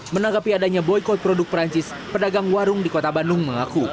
menanggapi adanya boykot produk perancis pedagang warung di kota bandung mengaku